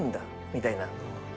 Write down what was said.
みたいな。